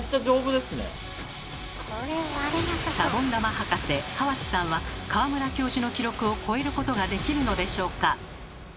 シャボン玉博士川内さんは川村教授の記録を超えることができるのでしょうか